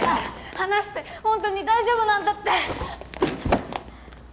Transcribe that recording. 離してホントに大丈夫なんだって！